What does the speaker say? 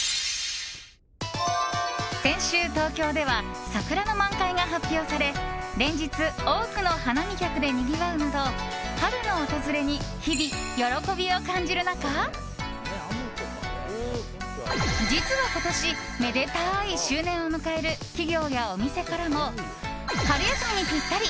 先週、東京では桜の満開が発表され連日、多くの花見客でにぎわうなど春の訪れに日々喜びを感じる中実は今年、めでたい周年を迎える企業やお店からも春休みにぴったり！